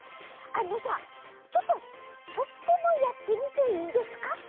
あのさちょっとポッポもやってみていいですか？